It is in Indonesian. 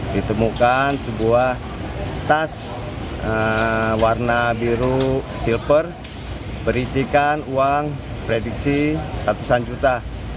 ditemukan sebuah tas warna biru silper berisikan uang prediksi ratusan juta